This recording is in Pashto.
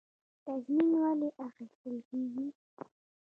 تضمین ولې اخیستل کیږي؟